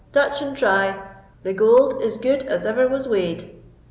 "Touch and try; the gold is good as ever was weighed."